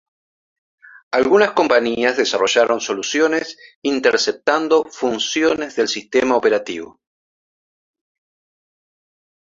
Algunas compañías desarrollaron soluciones interceptando funciones del sistema operativo.